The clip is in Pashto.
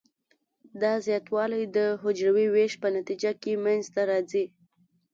دا زیاتوالی د حجروي ویش په نتیجه کې منځ ته راځي.